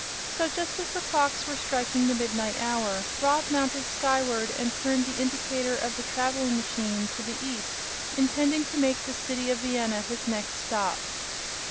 So just as the clocks were striking the midnight hour Rob mounted skyward and turned the indicator of the traveling machine to the east, intending to make the city of Vienna his next stop.